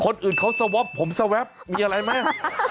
คนอื่นเขาสวอปผมสวับมีอะไรไหม